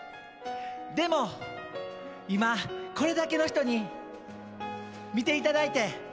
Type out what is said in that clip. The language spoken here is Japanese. でも今これだけの人に見ていただいて。